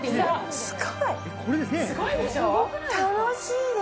すごい。